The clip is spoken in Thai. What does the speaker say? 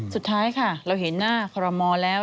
สุดท้ายค่ะเราเห็นหน้าคอรมอลแล้ว